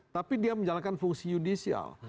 tapi dia menjalankan fungsi yudisial